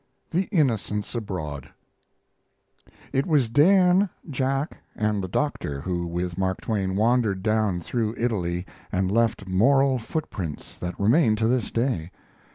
THE INNOCENTS ABROAD It was Dan, Jack, and the Doctor who with Mark Twain wandered down through Italy and left moral footprints that remain to this day.